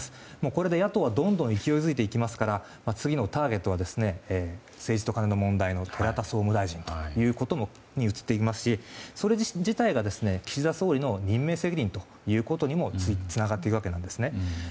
これで野党はどんどん勢いづいていきますから次のターゲットは政治とカネの問題の寺田総務大臣に移っていきますしそれ自体が岸田総理の任命責任ということにもつながっていくわけです。